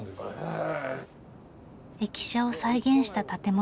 駅舎を再現した建物。